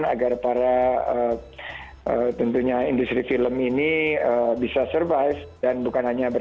agar para industri film ini bisa survive